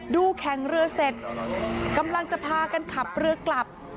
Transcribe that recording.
แข่งเรือเสร็จกำลังจะพากันขับเรือกลับ